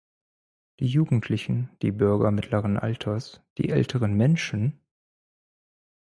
Die Jugendlichen, die Bürger mittleren Alters, die älteren Menschen?